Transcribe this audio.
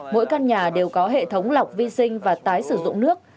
mỗi căn nhà đều có hệ thống lọc vi sinh và tái sử dụng nước